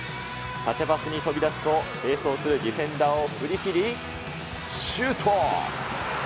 縦パスに飛び出すと、併走するディフェンダーを振り切りシュート。